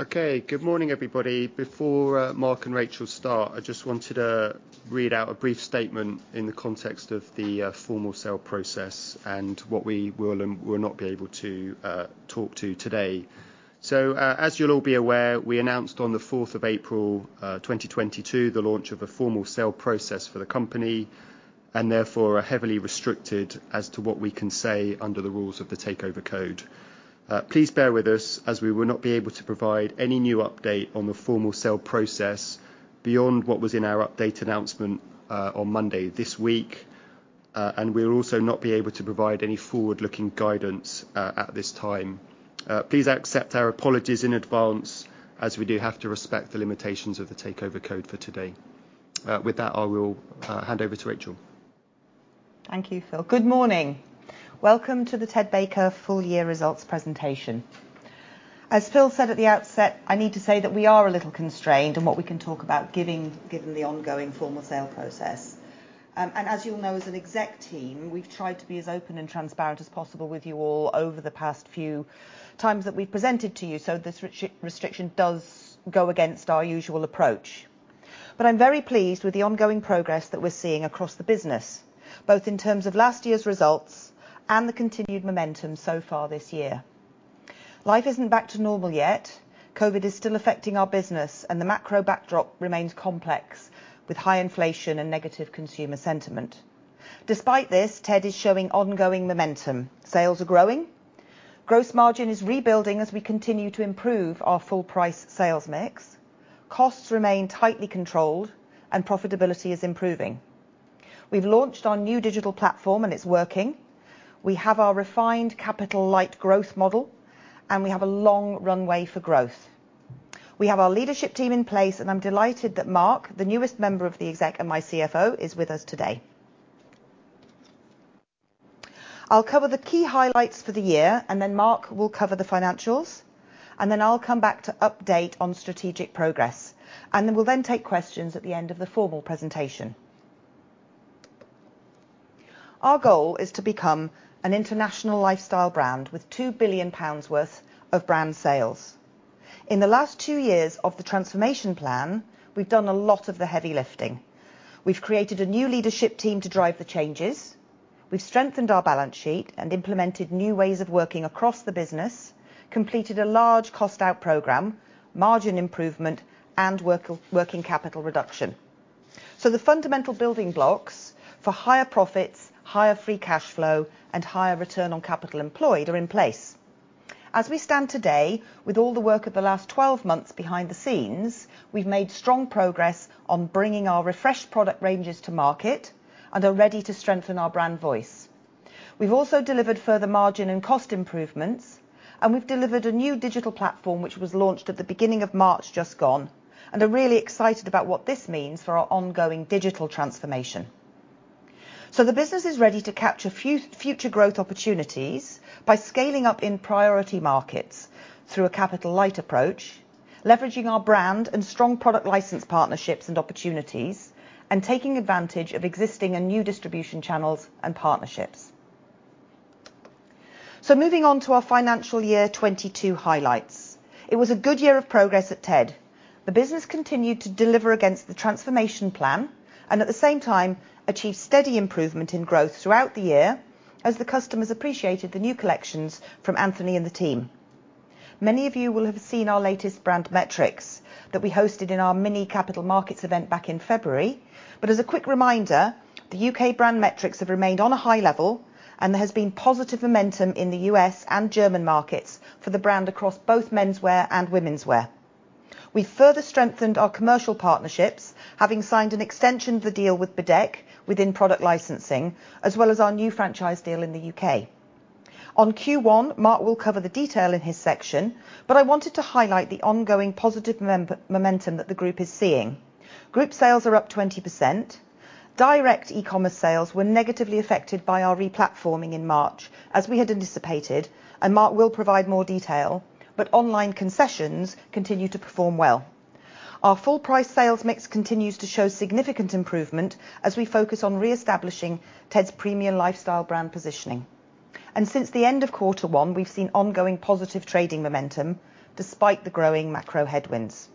Okay. Good morning, everybody. Before Marc and Rachel start, I just wanted to read out a brief statement in the context of the formal sale process and what we will and will not be able to talk to today. As you'll all be aware, we announced on April 4th, 2022 the launch of a formal sale process for the company, and therefore are heavily restricted as to what we can say under the rules of the Takeover Code. Please bear with us, as we will not be able to provide any new update on the formal sale process beyond what was in our update announcement on Monday this week. We'll also not be able to provide any forward-looking guidance at this time. Please accept our apologies in advance, as we do have to respect the limitations of the Takeover Code for today. With that, I will hand over to Rachel. Thank you, Phil. Good morning. Welcome to the Ted Baker full year results presentation. As Phil said at the outset, I need to say that we are a little constrained on what we can talk about given the ongoing formal sale process. And as you'll know, as an exec team, we've tried to be as open and transparent as possible with you all over the past few times that we've presented to you, so this restriction does go against our usual approach. I'm very pleased with the ongoing progress that we're seeing across the business, both in terms of last year's results and the continued momentum so far this year. Life isn't back to normal yet. COVID is still affecting our business, and the macro backdrop remains complex, with high inflation and negative consumer sentiment. Despite this, Ted is showing ongoing momentum. Sales are growing. Gross margin is rebuilding as we continue to improve our full price sales mix. Costs remain tightly controlled and profitability is improving. We've launched our new digital platform and it's working. We have our refined capital light growth model, and we have a long runway for growth. We have our leadership team in place, and I'm delighted that Marc, the newest member of the exec and my CFO, is with us today. I'll cover the key highlights for the year, and then Marc will cover the financials. I'll come back to update on strategic progress, and then we'll then take questions at the end of the formal presentation. Our goal is to become an international lifestyle brand with 2 billion pounds worth of brand sales. In the last two years of the transformation plan, we've done a lot of the heavy lifting. We've created a new leadership team to drive the changes. We've strengthened our balance sheet and implemented new ways of working across the business, completed a large cost out program, margin improvement and working capital reduction. The fundamental building blocks for higher profits, higher free cash flow, and higher return on capital employed are in place. As we stand today, with all the work of the last 12 months behind the scenes, we've made strong progress on bringing our refreshed product ranges to market and are ready to strengthen our brand voice. We've also delivered further margin and cost improvements, and we've delivered a new digital platform which was launched at the beginning of March just gone, and are really excited about what this means for our ongoing digital transformation. The business is ready to capture future growth opportunities by scaling up in priority markets through a capital light approach, leveraging our brand and strong product license partnerships and opportunities, and taking advantage of existing and new distribution channels and partnerships. Moving on to our financial year 2022 highlights. It was a good year of progress at Ted. The business continued to deliver against the transformation plan and at the same time achieved steady improvement in growth throughout the year as the customers appreciated the new collections from Anthony and the team. Many of you will have seen our latest brand metrics that we hosted in our mini capital markets event back in February. As a quick reminder, the U.K. brand metrics have remained on a high level, and there has been positive momentum in the U.S. and German markets for the brand across both menswear and womenswear. We further strengthened our commercial partnerships, having signed an extension of the deal with Bedeck within product licensing, as well as our new franchise deal in the U.K. On Q1, Marc will cover the detail in his section, but I wanted to highlight the ongoing positive momentum that the group is seeing. Group sales are up 20%. Direct e-commerce sales were negatively affected by our replatforming in March, as we had anticipated, and Marc will provide more detail, but online concessions continue to perform well. Our full price sales mix continues to show significant improvement as we focus on reestablishing Ted's premium lifestyle brand positioning. Since the end of quarter one, we've seen ongoing positive trading momentum despite the growing macro headwinds.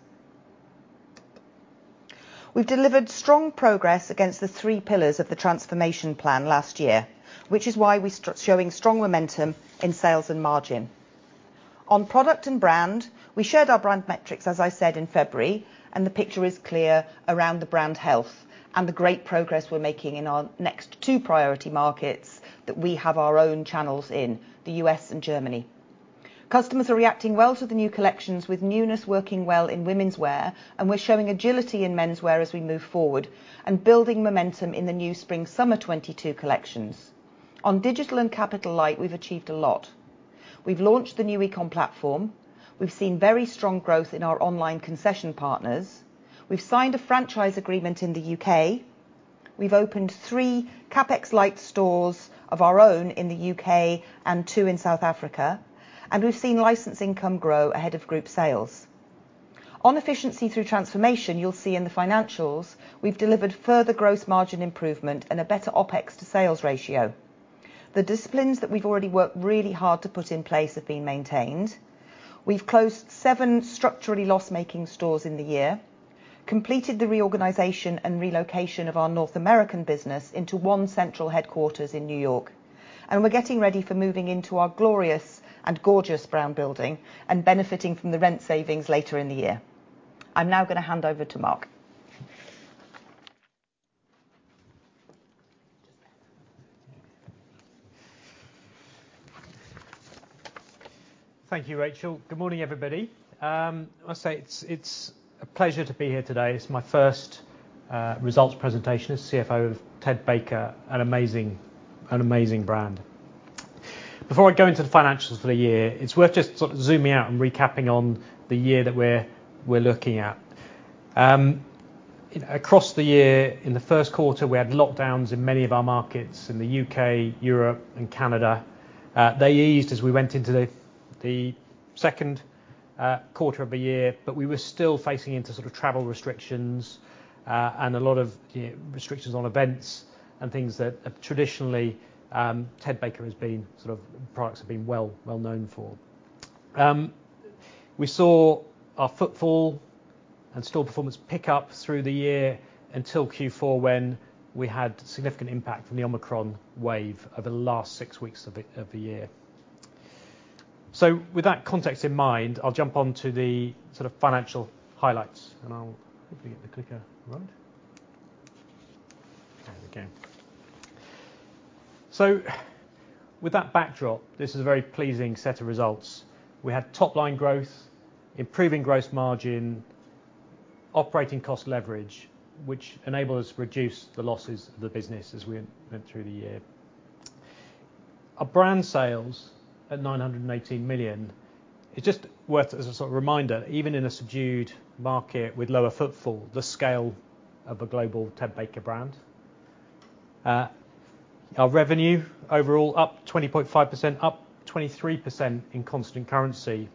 We've delivered strong progress against the three pillars of the transformation plan last year, which is why we're showing strong momentum in sales and margin. On product and brand, we shared our brand metrics, as I said in February, and the picture is clear around the brand health and the great progress we're making in our next two priority markets that we have our own channels in, the U.S. and Germany. Customers are reacting well to the new collections with newness working well in womenswear, and we're showing agility in menswear as we move forward and building momentum in the new spring-summer 2022 collections. On digital and capital light, we've achieved a lot. We've launched the new e-com platform. We've seen very strong growth in our online concession partners. We've signed a franchise agreement in the U.K. We've opened three CapEx light stores of our own in the U.K. and two in South Africa, and we've seen license income grow ahead of group sales. On efficiency through transformation, you'll see in the financials we've delivered further gross margin improvement and a better OpEx to sales ratio. The disciplines that we've already worked really hard to put in place have been maintained. We've closed seven structurally loss-making stores in the year, completed the reorganization and relocation of our North American business into one central headquarters in New York, and we're getting ready for moving into our Gorgeous Brown Building and benefiting from the rent savings later in the year. I'm now gonna hand over to Marc. Thank you, Rachel. Good morning, everybody. I'll say it's a pleasure to be here today. It's my first results presentation as CFO of Ted Baker, an amazing brand. Before I go into the financials for the year, it's worth just sort of zooming out and recapping on the year that we're looking at. Across the year, in the first quarter, we had lockdowns in many of our markets in the U.K., Europe and Canada. They eased as we went into the second quarter of the year, but we were still facing into sort of travel restrictions and a lot of, you know, restrictions on events and things that traditionally Ted Baker has been sort of products have been well-known for. We saw our footfall and store performance pick up through the year until Q4 when we had significant impact from the Omicron wave over the last six weeks of the year. With that context in mind, I'll jump on to the sort of financial highlights and I'll hopefully get the clicker right. There we go. With that backdrop, this is a very pleasing set of results. We had top-line growth, improving gross margin, operating cost leverage, which enabled us to reduce the losses of the business as we went through the year. Our brand sales at 918 million, it's just worth as a sort of reminder, even in a subdued market with lower footfall, the scale of a global Ted Baker brand. Our revenue overall up 20.5%, up 23% in constant currency.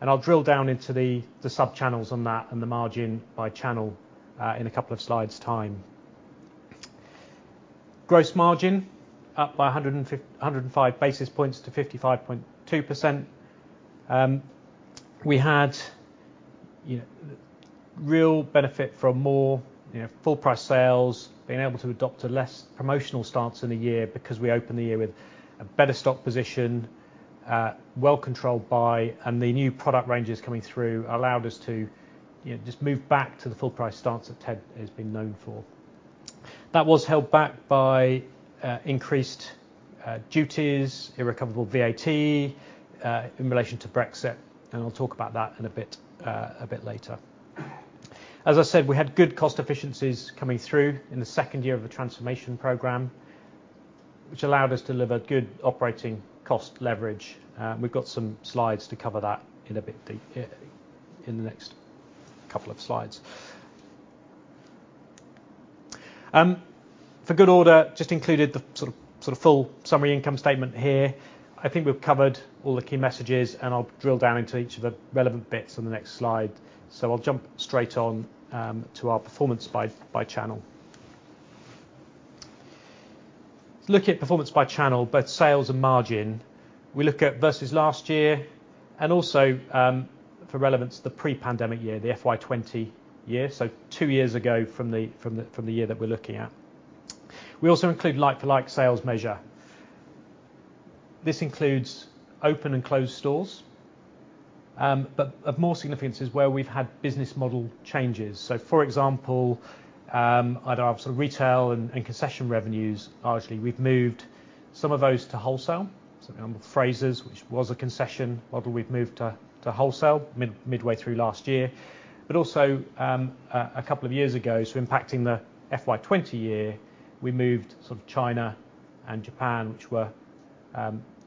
I'll drill down into the subchannels on that and the margin by channel in a couple of slides' time. Gross margin up by 105 basis points to 55.2%. We had real benefit from more full price sales, being able to adopt a less promotional stance in the year because we opened the year with a better stock position, well controlled buy, and the new product ranges coming through allowed us to just move back to the full price stance that Ted has been known for. That was held back by increased duties, irrecoverable VAT in relation to Brexit, and I'll talk about that a bit later. As I said, we had good cost efficiencies coming through in the second year of the transformation program, which allowed us to deliver good operating cost leverage. We've got some slides to cover that in a bit, in the next couple of slides. For good order, just included the sort of full summary income statement here. I think we've covered all the key messages, and I'll drill down into each of the relevant bits on the next slide. I'll jump straight on to our performance by channel. Look at performance by channel, both sales and margin. We look at versus last year and also, for relevance, the pre-pandemic year, the FY 2020 year, so two years ago from the year that we're looking at. We also include like-for-like sales measure. This includes open and closed stores, but of more significance is where we've had business model changes. For example, I'd have sort of retail and concession revenues. Obviously, we've moved some of those to wholesale. Frasers, which was a concession model, we've moved to wholesale midway through last year. Also, a couple of years ago, so impacting the FY 2020 year, we moved sort of China and Japan, which were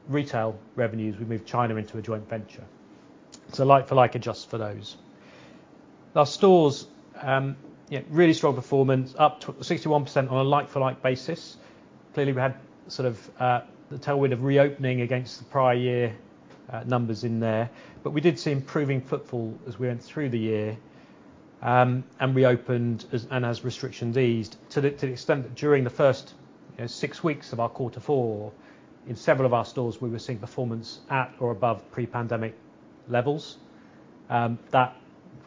retail revenues. We moved China into a joint venture. Like-for-like adjusts for those. Our stores, yeah, really strong performance, up 61% on a like-for-like basis. Clearly, we had sort of the tailwind of reopening against the prior year numbers in there. We did see improving footfall as we went through the year, and as restrictions eased to the extent that during the first, you know, six weeks of our quarter four in several of our stores we were seeing performance at or above pre-pandemic levels. That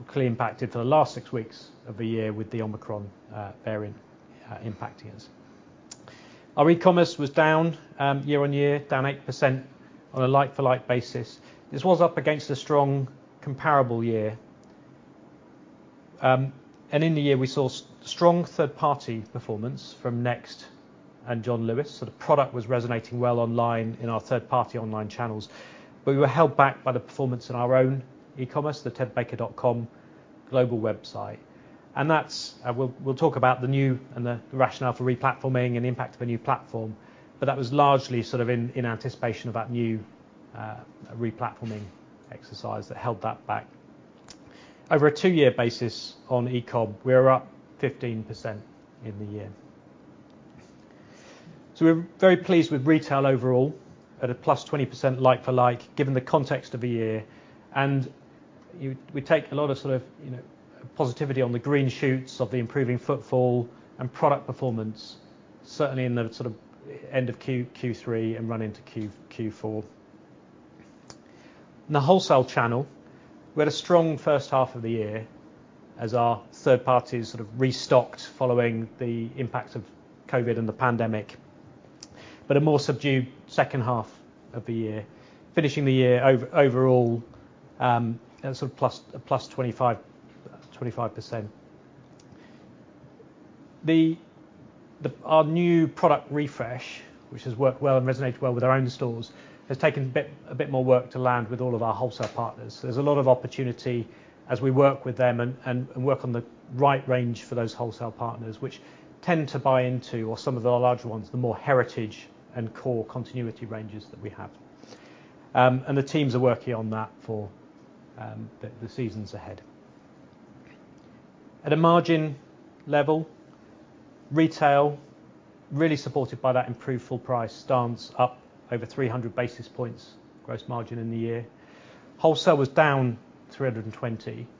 clearly impacted for the last six weeks of the year with the Omicron variant impacting us. Our e-commerce was down year-on-year, down 8% on a like-for-like basis. This was up against a strong comparable year. In the year, we saw strong third-party performance from Next and John Lewis. The product was resonating well online in our third-party online channels. We were held back by the performance in our own e-commerce, the tedbaker.com global website, and that's we'll talk about the new and the rationale for replatforming and the impact of a new platform. That was largely sort of in anticipation of that new replatforming exercise that held that back. Over a two-year basis on eCom, we're up 15% in the year. We're very pleased with retail overall at a +20% like-for-like given the context of the year. We take a lot of sort of, you know, positivity on the green shoots of the improving footfall and product performance, certainly in the sort of end of Q3 and run into Q4. In the wholesale channel, we had a strong first half of the year as our third party sort of restocked following the impact of COVID and the pandemic, but a more subdued second half of the year, finishing the year overall sort of plus 25%. Our new product refresh, which has worked well and resonated well with our own stores, has taken a bit more work to land with all of our wholesale partners. There's a lot of opportunity as we work with them and work on the right range for those wholesale partners, which tend to buy into or some of the larger ones, the more heritage and core continuity ranges that we have. The teams are working on that for the seasons ahead. At a margin level, retail really supported by that improved full price stance up over 300 basis points gross margin in the year. Wholesale was down 320 basis points.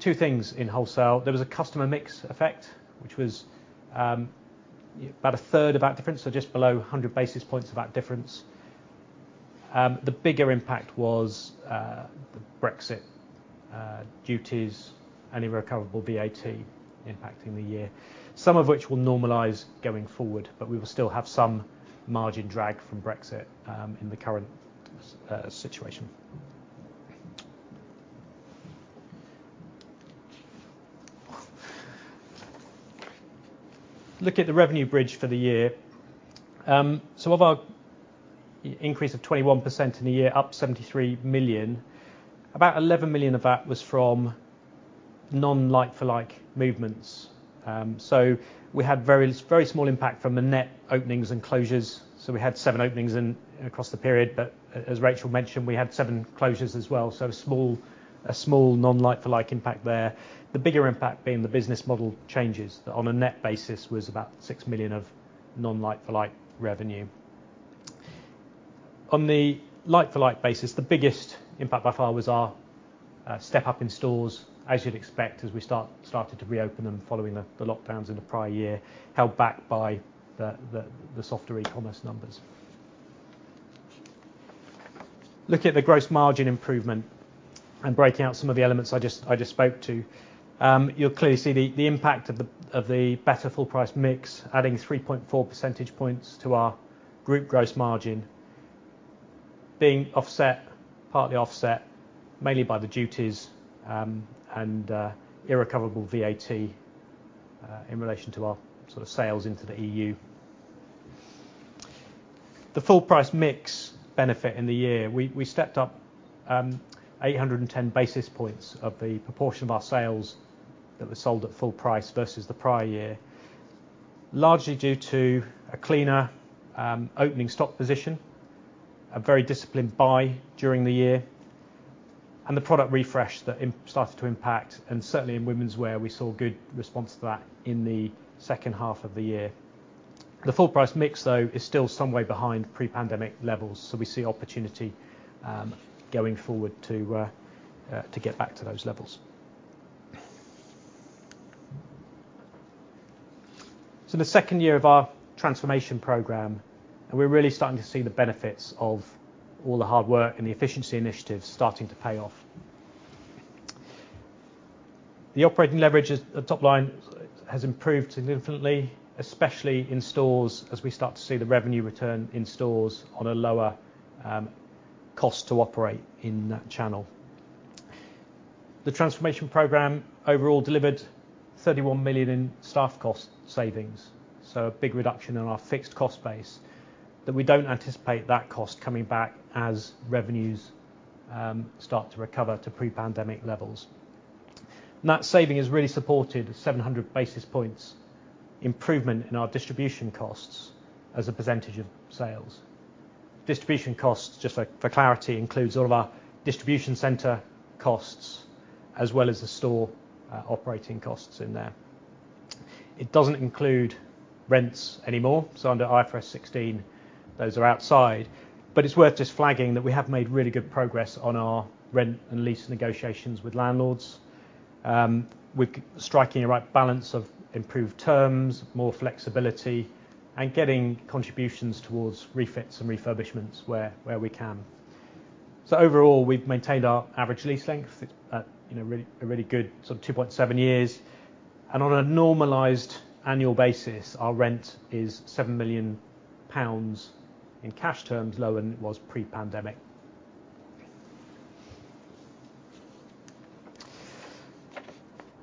Two things in wholesale. There was a customer mix effect, which was about a third of that difference, so just below 100 basis points of that difference. The bigger impact was the Brexit duties and irrecoverable VAT impacting the year. Some of which will normalize going forward, but we will still have some margin drag from Brexit in the current situation. Look at the revenue bridge for the year. Some of our increase of 21% in the year, up 73 million. About 11 million of that was from non-like-for-like movements. So we had very, very small impact from the net openings and closures. We had seven openings in across the period, but as Rachel mentioned, we had seven closures as well. A small non-like-for-like impact there. The bigger impact being the business model changes that on a net basis was about 6 million of non-like-for-like revenue. On the like-for-like basis, the biggest impact by far was our step up in stores, as you'd expect, as we started to reopen them following the lockdowns in the prior year, held back by the softer e-commerce numbers. Look at the gross margin improvement and break out some of the elements I just spoke to. You'll clearly see the impact of the better full price mix, adding 3.4 percentage points to our group gross margin being offset, partly offset mainly by the duties and irrecoverable VAT in relation to our sort of sales into the E.U. The full price mix benefit in the year, we stepped up 810 basis points of the proportion of our sales that were sold at full price versus the prior year. Largely due to a cleaner opening stock position, a very disciplined buy during the year, and the product refresh that started to impact. Certainly in womenswear we saw good response to that in the second half of the year. The full price mix, though, is still some way behind pre-pandemic levels, so we see opportunity going forward to get back to those levels. The second year of our transformation program, and we're really starting to see the benefits of all the hard work and the efficiency initiatives starting to pay off. The operating leverage is top line has improved significantly, especially in stores as we start to see the revenue return in stores on a lower cost to operate in that channel. The transformation program overall delivered 31 million in staff cost savings, so a big reduction in our fixed cost base that we don't anticipate that cost coming back as revenues start to recover to pre-pandemic levels. That saving has really supported 700 basis points improvement in our distribution costs as a percentage of sales. Distribution costs, just for clarity, includes all of our distribution center costs as well as the store operating costs in there. It doesn't include rents anymore. Under IFRS 16, those are outside. It's worth just flagging that we have made really good progress on our rent and lease negotiations with landlords, with striking the right balance of improved terms, more flexibility, and getting contributions towards refits and refurbishments where we can. Overall, we've maintained our average lease length at, you know, a really good sort of 2.7 years. On a normalized annual basis, our rent is 7 million pounds in cash terms, lower than it was pre-pandemic.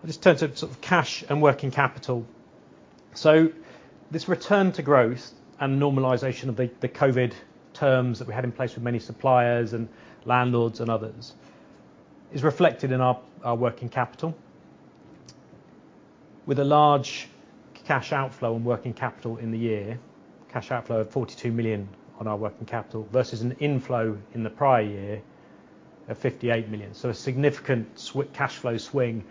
I'll just turn to sort of cash and working capital. This return to growth and normalization of the COVID terms that we had in place with many suppliers and landlords and others is reflected in our working capital. With a large cash outflow on working capital in the year, cash outflow of 42 million on our working capital versus an inflow in the prior year at 58 million. A significant cash flow swing,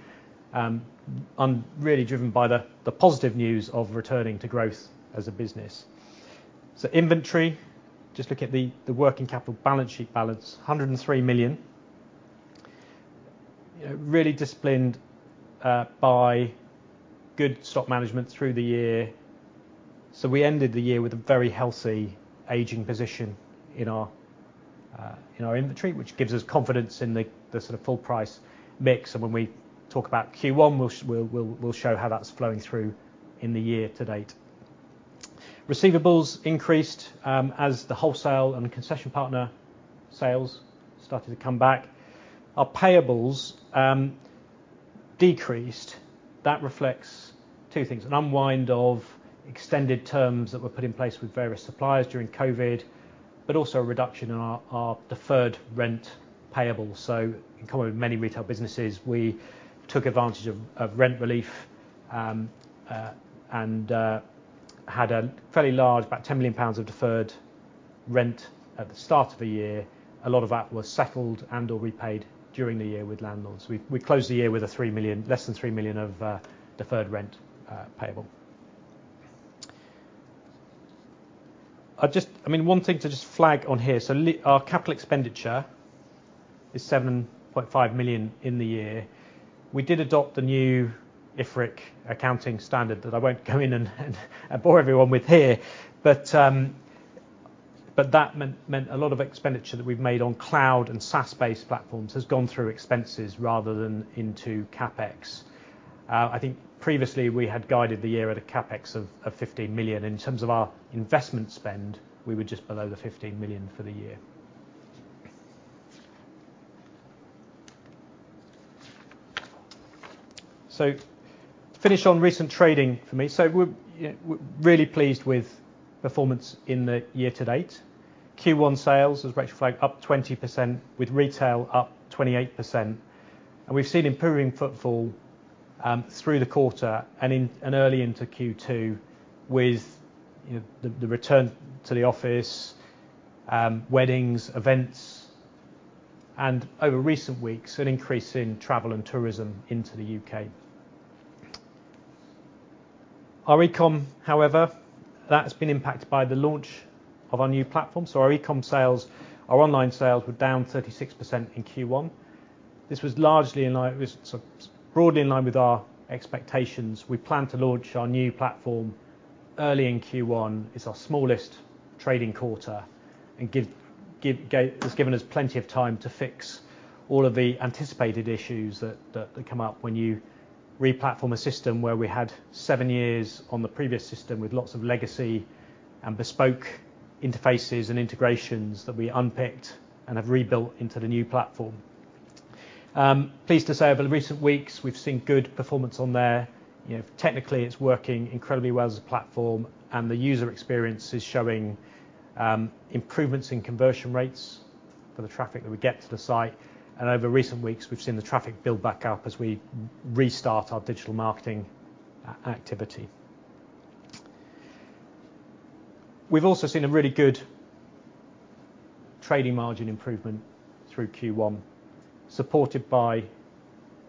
really driven by the positive news of returning to growth as a business. Inventory, just looking at the working capital balance sheet balance, 103 million. Really disciplined by good stock management through the year. We ended the year with a very healthy aging position in our inventory, which gives us confidence in the sort of full price mix. When we talk about Q1, we'll show how that's flowing through in the year to date. Receivables increased as the wholesale and concession partner sales started to come back. Our payables decreased. That reflects two things, an unwind of extended terms that were put in place with various suppliers during COVID, but also a reduction in our deferred rent payable. In common with many retail businesses, we took advantage of rent relief and had a fairly large, about 10 million pounds of deferred rent at the start of the year. A lot of that was settled and/or repaid during the year with landlords. We closed the year with 3 million, less than 3 million of deferred rent payable. I mean, one thing to just flag on here. Our capital expenditure is 7.5 million in the year. We did adopt the new IFRIC accounting standard that I won't go in and bore everyone with here, but that meant a lot of expenditure that we've made on cloud and SaaS-based platforms has gone through expenses rather than into CapEx. I think previously we had guided the year at a CapEx of 15 million. In terms of our investment spend, we were just below the 15 million for the year. To finish on recent trading for me. We're, you know, we're really pleased with performance in the year to date. Q1 sales, as Rachel flagged, up 20%, with retail up 28%. We've seen improving footfall through the quarter and early into Q2 with the return to the office, weddings, events, and over recent weeks, an increase in travel and tourism into the U.K. Our e-com, however, that's been impacted by the launch of our new platform. Our e-com sales, our online sales were down 36% in Q1. This was sort of broadly in line with our expectations. We planned to launch our new platform early in Q1. It's our smallest trading quarter. It's given us plenty of time to fix all of the anticipated issues that come up when you re-platform a system where we had seven years on the previous system with lots of legacy and bespoke interfaces and integrations that we unpicked and have rebuilt into the new platform. Pleased to say over the recent weeks, we've seen good performance on there. You know, technically it's working incredibly well as a platform, and the user experience is showing improvements in conversion rates for the traffic that we get to the site. Over recent weeks, we've seen the traffic build back up as we restart our digital marketing activity. We've also seen a really good trading margin improvement through Q1, supported by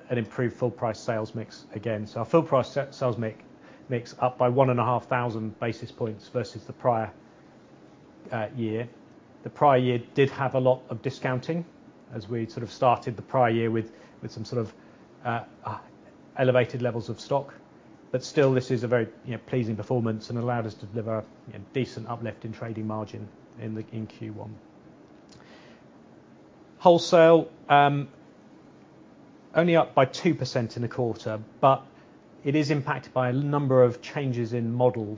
an improved full price sales mix again. Our full price sales mix up by 1,500 basis points versus the prior year. The prior year did have a lot of discounting as we sort of started the prior year with some sort of elevated levels of stock. Still, this is a very, you know, pleasing performance and allowed us to deliver, you know, decent uplift in trading margin in Q1. Wholesale only up by 2% in the quarter, but it is impacted by a number of changes in model.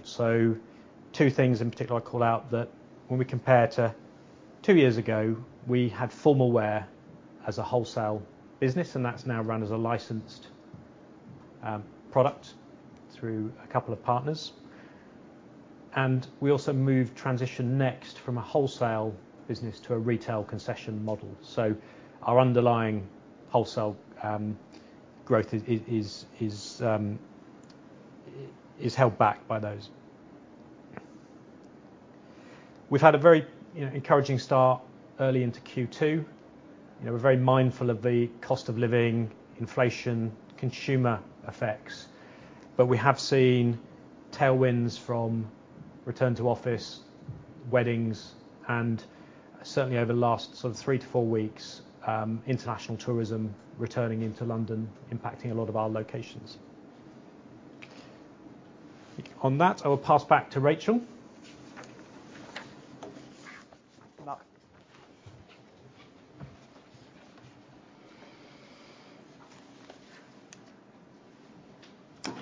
Two things in particular I call out that when we compare to two years ago, we had formal wear as a wholesale business, and that's now run as a licensed product through a couple of partners. We also moved transition to Next from a wholesale business to a retail concession model. Our underlying wholesale growth is held back by those. We've had a very, you know, encouraging start early into Q2. You know, we're very mindful of the cost of living, inflation, consumer effects, but we have seen tailwinds from return to office, weddings, and certainly over the last sort of three to four weeks, international tourism returning into London impacting a lot of our locations. On that, I will pass back to Rachel. Marc.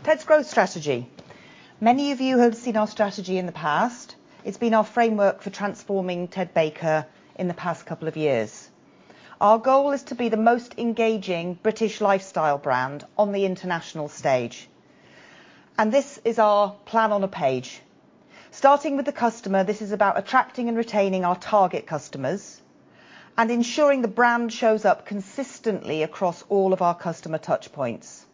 Ted's growth strategy. Many of you have seen our strategy in the past. It's been our framework for transforming Ted Baker in the past couple of years. Our goal is to be the most engaging British lifestyle brand on the international stage, and this is our plan on a page. Starting with the customer, this is about attracting and retaining our target customers and ensuring the brand shows up consistently across all of our customer touch points.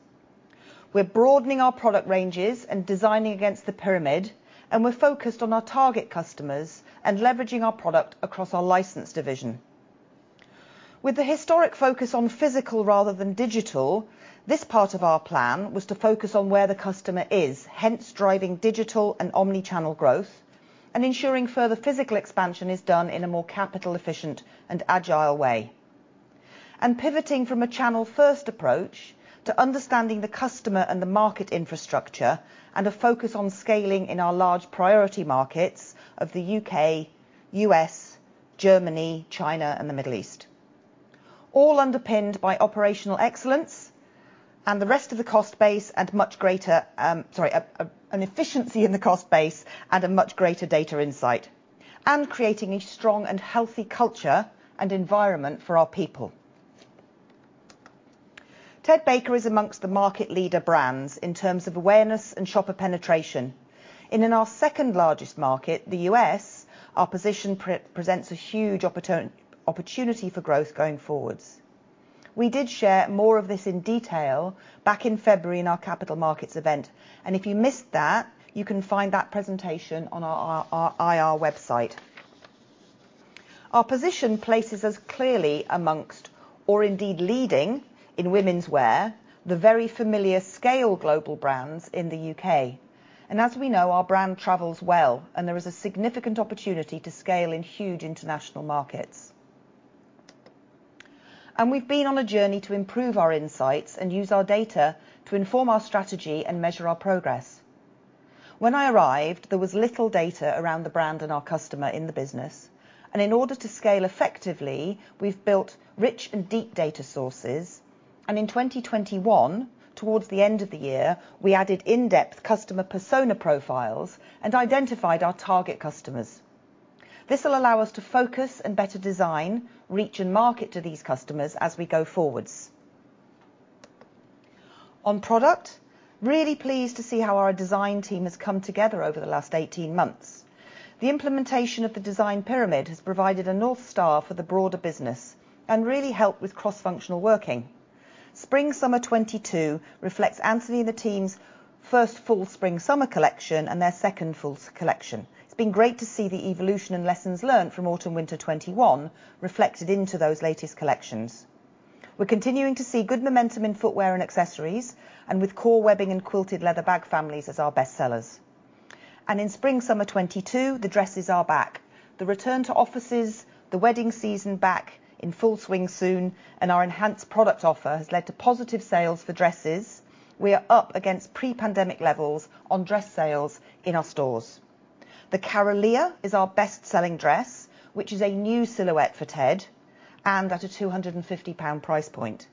We're broadening our product ranges and designing against the pyramid, and we're focused on our target customers and leveraging our product across our license division. With the historic focus on physical rather than digital, this part of our plan was to focus on where the customer is, hence driving digital and omni-channel growth and ensuring further physical expansion is done in a more capital efficient and agile way. Pivoting from a channel first approach to understanding the customer and the market infrastructure and a focus on scaling in our large priority markets of the U.K., U.S., Germany, China, and the Middle East. All underpinned by operational excellence and an efficiency in the cost base and much greater data insight, and creating a strong and healthy culture and environment for our people. Ted Baker is among the market leader brands in terms of awareness and shopper penetration. In our second-largest market, the U.S., our position presents a huge opportunity for growth going forwards. We did share more of this in detail back in February in our capital markets event. If you missed that, you can find that presentation on our IR website. Our position places us clearly amongst, or indeed leading in womenswear, the very familiar scaled global brands in the U.K. As we know, our brand travels well, and there is a significant opportunity to scale in huge international markets. We've been on a journey to improve our insights and use our data to inform our strategy and measure our progress. When I arrived, there was little data around the brand and our customer in the business, and in order to scale effectively, we've built rich and deep data sources. In 2021, towards the end of the year, we added in-depth customer persona profiles and identified our target customers. This will allow us to focus and better design, reach and market to these customers as we go forward. On product, really pleased to see how our design team has come together over the last 18 months. The implementation of the design pyramid has provided a North Star for the broader business and really helped with cross-functional working. Spring summer 2022 reflects Anthony and the team's first full spring summer collection and their second full collection. It's been great to see the evolution and lessons learned from autumn winter 2021 reflected into those latest collections. We're continuing to see good momentum in footwear and accessories, and with core webbing and quilted leather bag families as our best sellers. In spring summer 2022, the dresses are back. The return to offices, the wedding season back in full swing soon, and our enhanced product offer has led to positive sales for dresses. We are up against pre-pandemic levels on dress sales in our stores. The Carolea is our best-selling dress, which is a new silhouette for Ted, and at a 250 pound price point.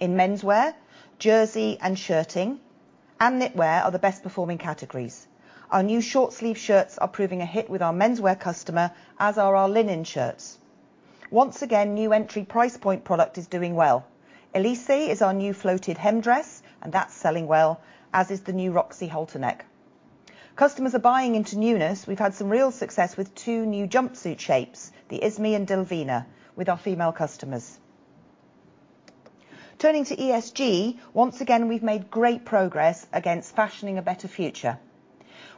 In menswear, jersey and shirting and knitwear are the best performing categories. Our new short sleeve shirts are proving a hit with our menswear customer, as are our linen shirts. Once again, new entry price point product is doing well. Elise is our new floated hem dress, and that's selling well, as is the new Roxy halterneck. Customers are buying into newness. We've had some real success with two new jumpsuit shapes, the Esme and Delvina, with our female customers. Turning to ESG, once again, we've made great progress against Fashioning a Better Future.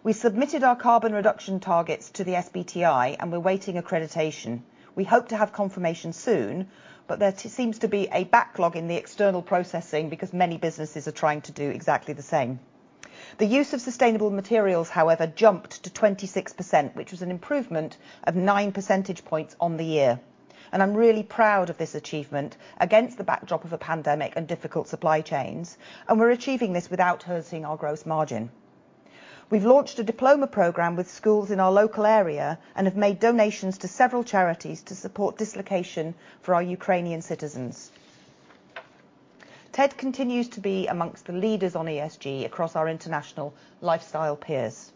We submitted our carbon reduction targets to the SBTi, and we're waiting accreditation. We hope to have confirmation soon, but there seems to be a backlog in the external processing because many businesses are trying to do exactly the same. The use of sustainable materials, however, jumped to 26%, which was an improvement of nine percentage points on the year. I'm really proud of this achievement against the backdrop of a pandemic and difficult supply chains, and we're achieving this without hurting our gross margin. We've launched a diploma program with schools in our local area and have made donations to several charities to support dislocation for our Ukrainian citizens. Ted continues to be among the leaders on ESG across our international lifestyle peers.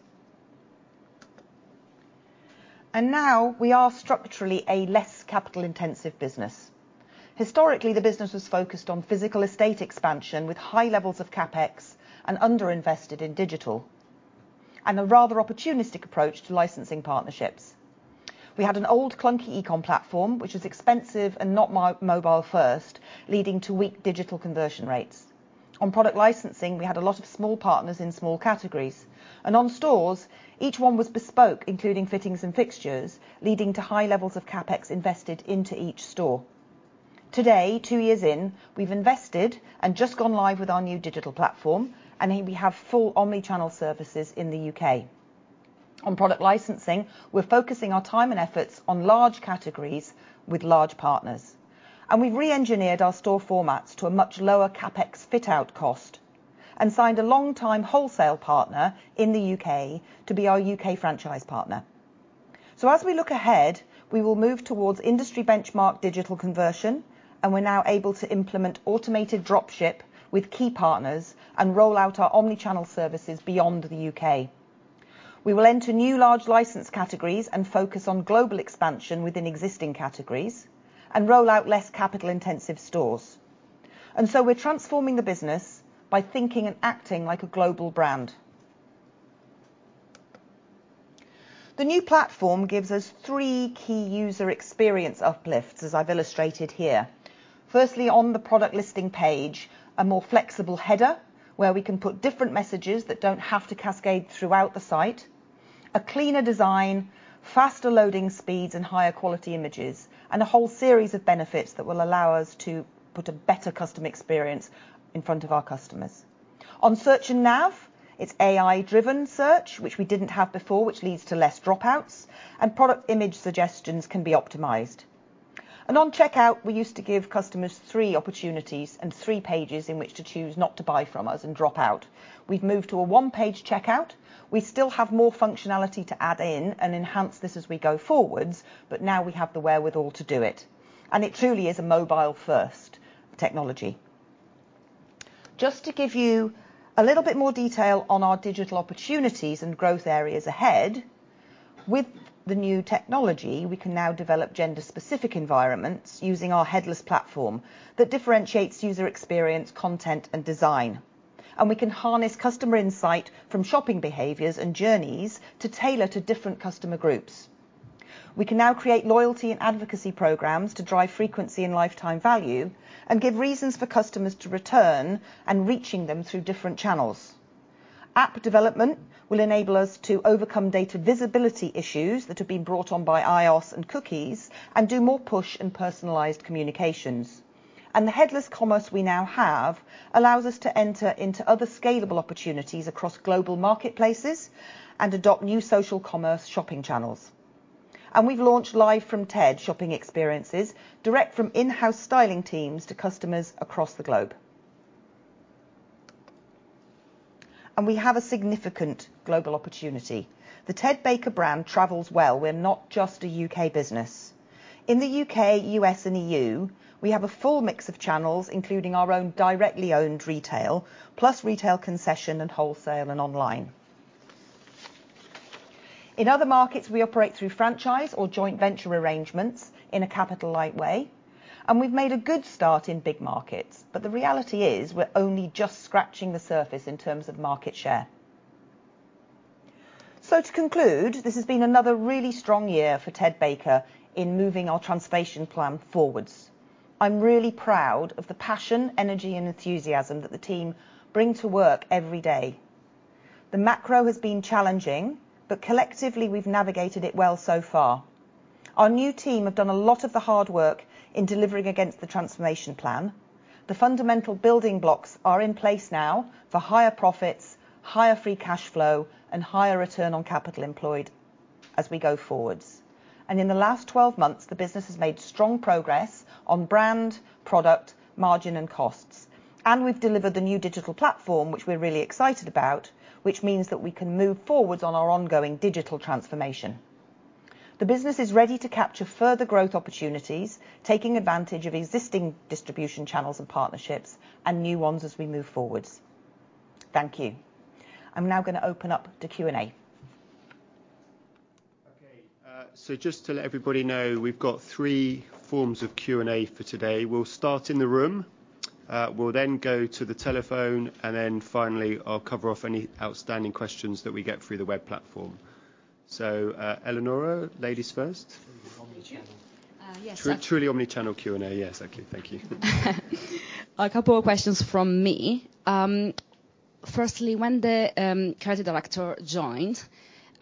Now we are structurally a less capital-intensive business. Historically, the business was focused on physical estate expansion with high levels of CapEx and underinvested in digital, and a rather opportunistic approach to licensing partnerships. We had an old clunky e-com platform, which was expensive and not mobile first, leading to weak digital conversion rates. On product licensing, we had a lot of small partners in small categories. On stores, each one was bespoke, including fittings and fixtures, leading to high levels of CapEx invested into each store. Today, two years in, we've invested and just gone live with our new digital platform, and we have full omni-channel services in the U.K. On product licensing, we're focusing our time and efforts on large categories with large partners. We've reengineered our store formats to a much lower CapEx fit-out cost and signed a long-term wholesale partner in the U.K. to be our U.K. franchise partner. As we look ahead, we will move towards industry benchmark digital conversion, and we're now able to implement automated drop ship with key partners and roll out our omni-channel services beyond the U.K. We will enter new large license categories and focus on global expansion within existing categories and roll out less capital-intensive stores. We're transforming the business by thinking and acting like a global brand. The new platform gives us three key user experience uplifts, as I've illustrated here. Firstly, on the product listing page, a more flexible header where we can put different messages that don't have to cascade throughout the site, a cleaner design, faster loading speeds, and higher quality images, and a whole series of benefits that will allow us to put a better customer experience in front of our customers. On search and nav, it's AI-driven search, which we didn't have before, which leads to less dropouts. Product image suggestions can be optimized. On checkout, we used to give customers three opportunities and three pages in which to choose not to buy from us and drop out. We've moved to a one-page checkout. We still have more functionality to add in and enhance this as we go forward, but now we have the wherewithal to do it, and it truly is a mobile-first technology. Just to give you a little bit more detail on our digital opportunities and growth areas ahead, with the new technology, we can now develop gender-specific environments using our headless platform that differentiates user experience, content, and design. We can harness customer insight from shopping behaviors and journeys to tailor to different customer groups. We can now create loyalty and advocacy programs to drive frequency and lifetime value and give reasons for customers to return and reaching them through different channels. App development will enable us to overcome data visibility issues that have been brought on by iOS and cookies and do more push and personalized communications. The headless commerce we now have allows us to enter into other scalable opportunities across global marketplaces and adopt new social commerce shopping channels. We've launched Live from Ted shopping experiences direct from in-house styling teams to customers across the globe. We have a significant global opportunity. The Ted Baker brand travels well. We're not just a U.K. business. In the U.K., U.S., and E.U., we have a full mix of channels, including our own directly owned retail, plus retail concession and wholesale and online. In other markets, we operate through franchise or joint venture arrangements in a capital-light way. We've made a good start in big markets, but the reality is we're only just scratching the surface in terms of market share. To conclude, this has been another really strong year for Ted Baker in moving our transformation plan forward. I'm really proud of the passion, energy, and enthusiasm that the team bring to work every day. The macro has been challenging, but collectively we've navigated it well so far. Our new team have done a lot of the hard work in delivering against the transformation plan. The fundamental building blocks are in place now for higher profits, higher free cash flow, and higher return on capital employed as we go forward. In the last 12 months, the business has made strong progress on brand, product, margin, and costs. We've delivered the new digital platform, which we're really excited about, which means that we can move forward on our ongoing digital transformation. The business is ready to capture further growth opportunities, taking advantage of existing distribution channels and partnerships and new ones as we move forward. Thank you. I'm now gonna open up to Q&A. Okay. Just to let everybody know, we've got three forms of Q&A for today. We'll start in the room, we'll then go to the telephone, and then finally I'll cover off any outstanding questions that we get through the web platform. Eleonora, ladies first. Yes. Truly omni-channel Q&A. Yes. Okay. Thank you. A couple of questions from me. Firstly, when the Creative Director joined,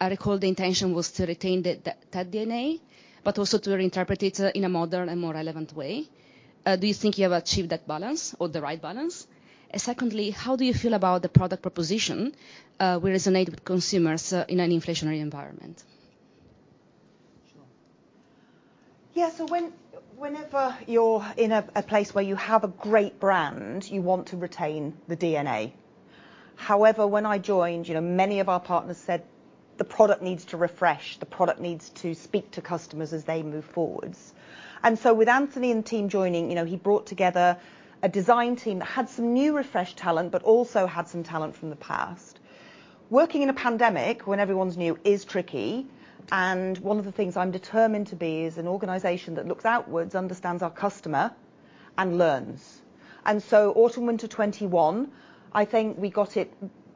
I recall the intention was to retain the Ted DNA, but also to reinterpret it in a modern and more relevant way. Do you think you have achieved that balance or the right balance? Secondly, how do you feel about the product proposition will resonate with consumers in an inflationary environment? Sure. Yeah. Whenever you're in a place where you have a great brand, you want to retain the DNA. However, when I joined, you know, many of our partners said the product needs to refresh. The product needs to speak to customers as they move forward. With Anthony and team joining, you know, he brought together a design team that had some new refreshed talent, but also had some talent from the past. Working in a pandemic when everyone's new is tricky, and one of the things I'm determined to be is an organization that looks outwards, understands our customer, and learns. Autumn/winter 2021, I think we got it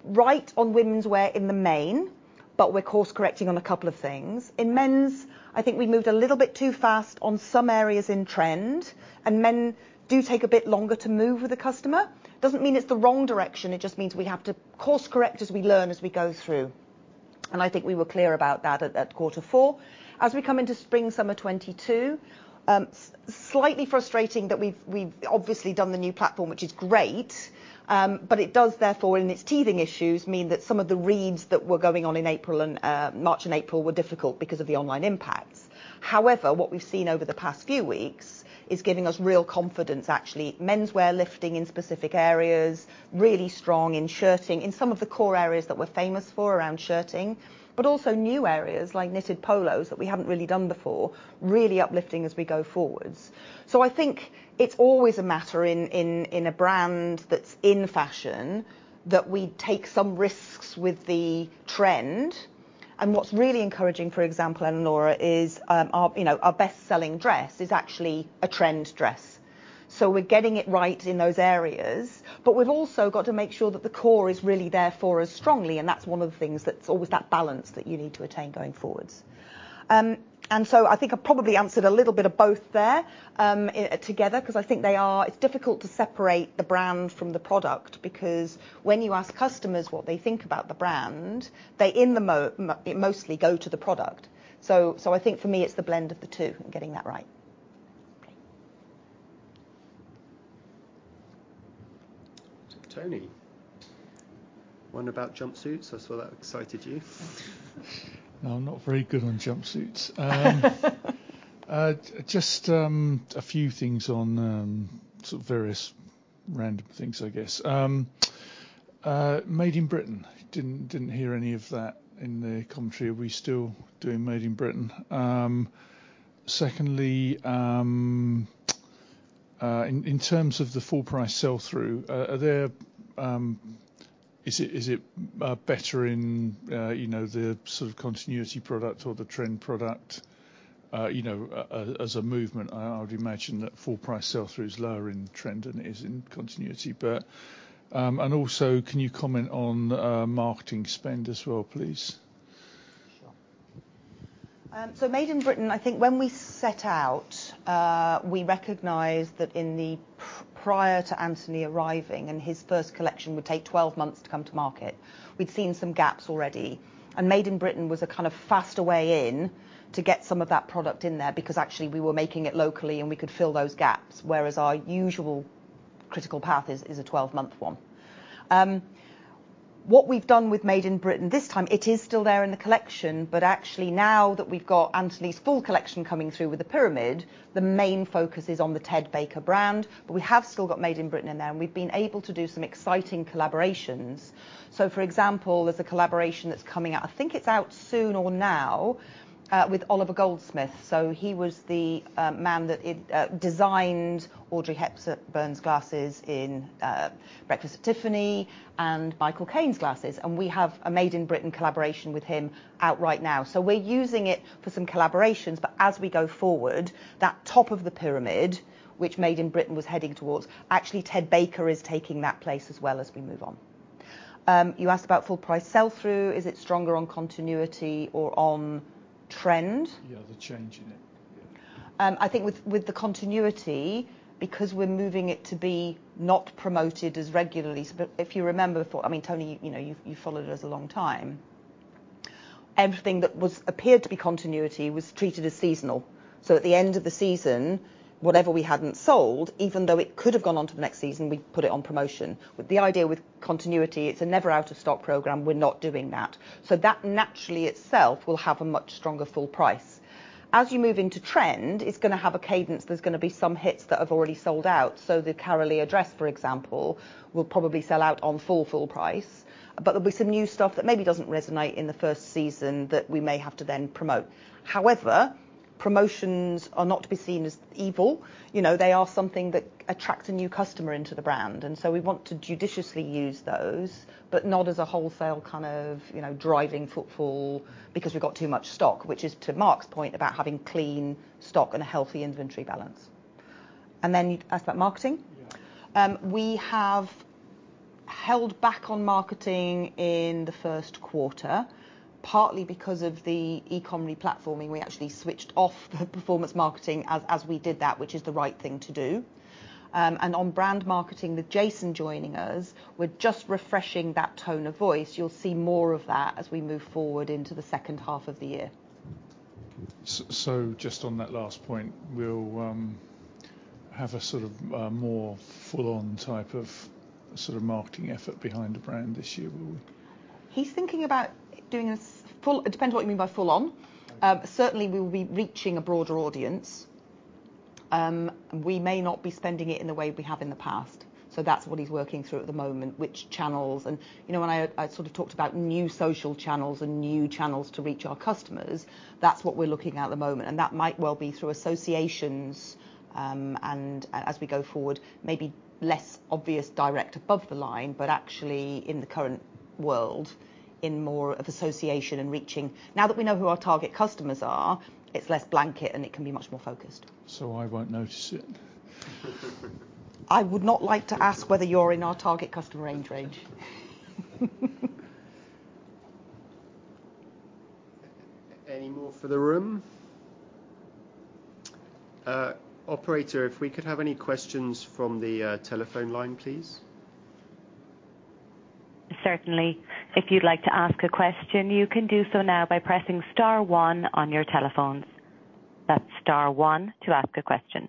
right on womenswear in the main, but we're course-correcting on a couple of things. In men's, I think we moved a little bit too fast on some areas in trend, and men do take a bit longer to move with the customer. Doesn't mean it's the wrong direction. It just means we have to course-correct as we learn, as we go through, and I think we were clear about that at quarter four. As we come into spring/summer 2022, slightly frustrating that we've obviously done the new platform, which is great, but it does therefore in its teething issues mean that some of the reads that were going on in March and April were difficult because of the online impacts. However, what we've seen over the past few weeks is giving us real confidence actually. Menswear lifting in specific areas, really strong in shirting, in some of the core areas that we're famous for around shirting, but also new areas like knitted polos that we haven't really done before, really uplifting as we go forward. I think it's always a matter in a brand that's in fashion that we take some risks with the trend. What's really encouraging, for example, Eleonora, is, you know, our best-selling dress is actually a trend dress. We're getting it right in those areas, but we've also got to make sure that the core is really there for us strongly, and that's one of the things that's always that balance that you need to attain going forward. I think I probably answered a little bit of both there together 'cause I think they are. It's difficult to separate the brand from the product because when you ask customers what they think about the brand, they mostly go to the product. I think for me it's the blend of the two and getting that right. Okay. Tony, one about jumpsuits. I saw that excited you. No, I'm not very good on jumpsuits. Just a few things on sort of various random things, I guess. Made in Britain, didn't hear any of that in the commentary. Are we still doing Made in Britain? Secondly, in terms of the full price sell-through, is it better in you know the sort of continuity product or the trend product? You know, as a movement I would imagine that full price sell-through is lower in trend than it is in continuity. And also can you comment on marketing spend as well, please? Sure. So Made in Britain, I think when we set out, we recognized that in the prior to Anthony arriving and his first collection would take 12 months to come to market, we'd seen some gaps already, and Made in Britain was a kind of faster way in to get some of that product in there because actually we were making it locally and we could fill those gaps, whereas our usual critical path is a 12-month one. What we've done with Made in Britain this time, it is still there in the collection, but actually now that we've got Anthony's full collection coming through with the pyramid, the main focus is on the Ted Baker brand. We have still got Made in Britain in there, and we've been able to do some exciting collaborations. For example, there's a collaboration that's coming out, I think it's out soon or now, with Oliver Goldsmith. He was the man that designed Audrey Hepburn's glasses in Breakfast at Tiffany's and Michael Caine's glasses, and we have a Made in Britain collaboration with him out right now. We're using it for some collaborations, but as we go forward, that top of the pyramid, which Made in Britain was heading towards, actually Ted Baker is taking that place as well as we move on. You asked about full price sell-through. Is it stronger on continuity or on trend? Yeah, the change in it. Yeah. I think with the continuity because we're moving it to be not promoted as regularly. If you remember before, I mean, Tony, you know, you've followed us a long time. Everything that appeared to be continuity was treated as seasonal. At the end of the season, whatever we hadn't sold, even though it could have gone on to the next season, we'd put it on promotion. With the idea with continuity, it's a never out of stock program. We're not doing that. That naturally itself will have a much stronger full price. As you move into trend, it's gonna have a cadence. There's gonna be some hits that have already sold out. The Carolea dress, for example, will probably sell out on full price, but there'll be some new stuff that maybe doesn't resonate in the first season that we may have to then promote. However, promotions are not to be seen as evil. You know, they are something that attracts a new customer into the brand, and so we want to judiciously use those, but not as a wholesale kind of, you know, driving footfall because we've got too much stock. Which is to Marc's point about having clean stock and a healthy inventory balance. You asked about marketing? Yeah. We have held back on marketing in the first quarter, partly because of the e-com replatforming. We actually switched off the performance marketing as we did that, which is the right thing to do. On brand marketing with Jason joining us, we're just refreshing that tone of voice. You'll see more of that as we move forward into the second half of the year. Just on that last point. We'll have a sort of more full-on type of sort of marketing effort behind the brand this year, will we? It depends what you mean by full on. Certainly we'll be reaching a broader audience. We may not be spending it in the way we have in the past. That's what he's working through at the moment, which channels. You know, when I sort of talked about new social channels and new channels to reach our customers, that's what we're looking at at the moment, and that might well be through associations. As we go forward, maybe less obvious direct above the line, but actually in the current world, in more of association and reaching. Now that we know who our target customers are, it's less blanket and it can be much more focused. I won't notice it. I would not like to ask whether you're in our target customer age range. Any more for the room? Operator, if we could have any questions from the telephone line, please. Certainly. If you'd like to ask a question, you can do so now by pressing star one on your telephones. That's star one to ask a question.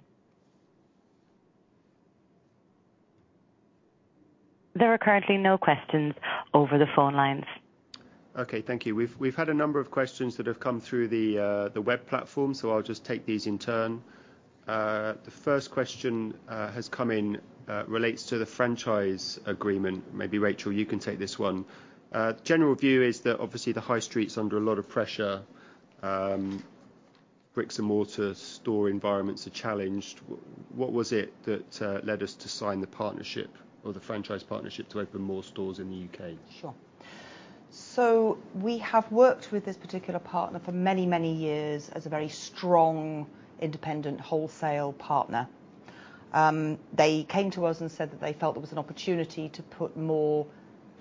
There are currently no questions over the phone lines. Okay, thank you. We've had a number of questions that have come through the web platform, so I'll just take these in turn. The first question has come in and relates to the franchise agreement. Maybe, Rachel, you can take this one. The general view is that obviously the high street's under a lot of pressure. Bricks-and-mortar store environments are challenged. What was it that led us to sign the partnership or the franchise partnership to open more stores in the U.K.? Sure. We have worked with this particular partner for many, many years as a very strong, independent wholesale partner. They came to us and said that they felt there was an opportunity to put more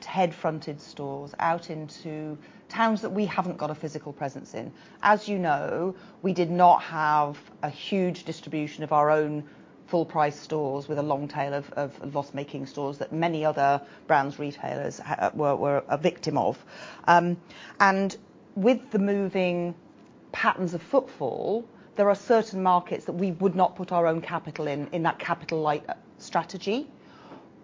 Ted-fronted stores out into towns that we haven't got a physical presence in. As you know, we did not have a huge distribution of our own full-price stores with a long tail of loss-making stores that many other brands, retailers, were a victim of. With the moving patterns of footfall, there are certain markets that we would not put our own capital in that capital light strategy.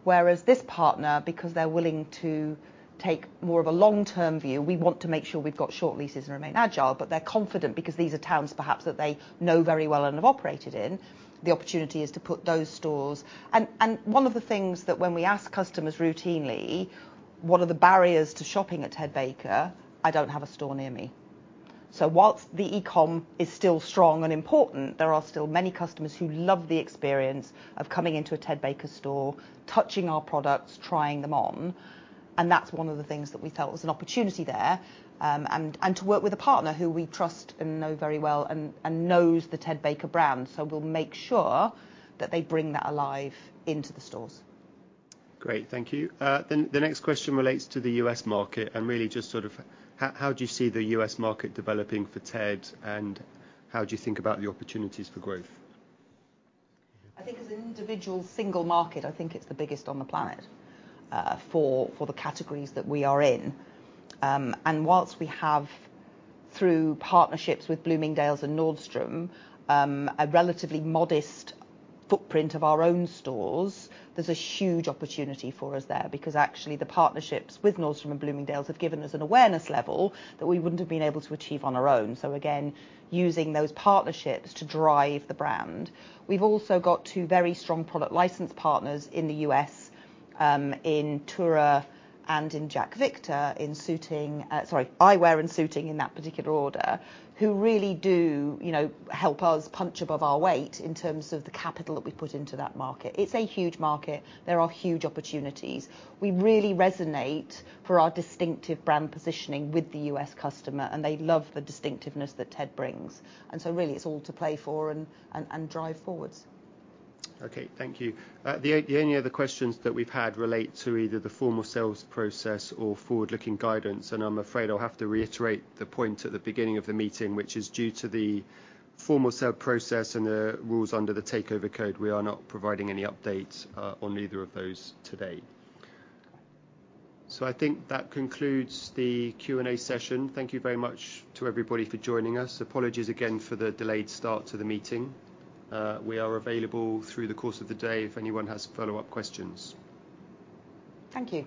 Whereas this partner, because they're willing to take more of a long-term view, we want to make sure we've got short leases and remain agile. They're confident because these are towns perhaps that they know very well and have operated in. The opportunity is to put those stores. One of the things that when we ask customers routinely what are the barriers to shopping at Ted Baker, I don't have a store near me. So while the e-com is still strong and important, there are still many customers who love the experience of coming into a Ted Baker store, touching our products, trying them on, and that's one of the things that we felt was an opportunity there. To work with a partner who we trust and know very well and knows the Ted Baker brand. We'll make sure that they bring that alive into the stores. Great. Thank you. The next question relates to the U.S. market, and really just sort of how you see the US market developing for Ted, and how you think about the opportunities for growth? I think as an individual single market, I think it's the biggest on the planet, for the categories that we are in. While we have, through partnerships with Bloomingdale's and Nordstrom, a relatively modest footprint of our own stores, there's a huge opportunity for us there because actually the partnerships with Nordstrom and Bloomingdale's have given us an awareness level that we wouldn't have been able to achieve on our own. Again, using those partnerships to drive the brand. We've also got two very strong product license partners in the U.S., in Tura and in Jack Victor, in suiting, sorry, eyewear and suiting in that particular order, who really do, you know, help us punch above our weight in terms of the capital that we put into that market. It's a huge market. There are huge opportunities. We really resonate with our distinctive brand positioning with the U.S. customer, and they love the distinctiveness that Ted brings. Really it's all to play for and drive forwards. Okay. Thank you. Any other questions that we've had relate to either the formal sale process or forward-looking guidance, and I'm afraid I'll have to reiterate the point at the beginning of the meeting, which is due to the formal sale process and the rules under The Takeover Code, we are not providing any updates on either of those today. I think that concludes the Q&A session. Thank you very much to everybody for joining us. Apologies again for the delayed start to the meeting. We are available through the course of the day if anyone has follow-up questions. Thank you.